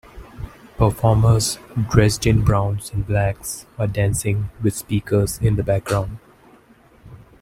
Performers dressed in browns and blacks are dancing with speakers in the background.